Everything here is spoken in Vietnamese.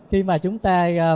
khi mà chúng ta